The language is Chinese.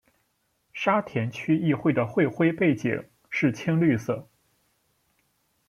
沙田区议会的会徽背景是青绿色。